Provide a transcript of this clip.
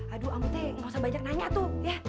aduh ambu teh gausah banyak nanya tuh ya